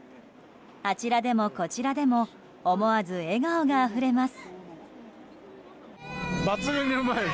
あちらでもこちらでも思わず笑顔があふれます。